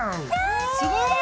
すごい！